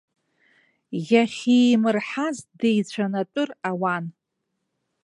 Иахьиимырҳаз деицәанатәыр ауан.